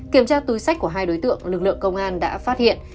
kiểm tra túi sách của hai đối tượng lực lượng công an đã phát hiện